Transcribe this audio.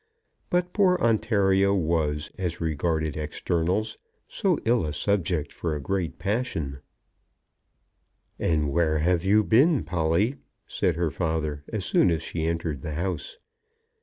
But poor Ontario was, as regarded externals, so ill a subject for a great passion! "And where have you been, Polly?" said her father, as soon as she entered the house.